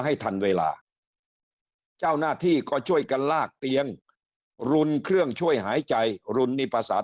ให้ทันเวลาเจ้าหน้าที่ก็ช่วยกันลากเตียงรุนเครื่องช่วยหายใจรุนนิภาษา